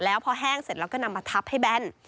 แล้วพอแห้งเสร็จแล้วก็นำมาทับให้แบน